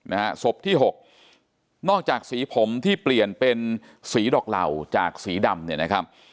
นะฮะศพที่หกนอกจากสีผมที่เปลี่ยนเป็นสีดอกเหล่าจากสีดำเนี่ยนะครับ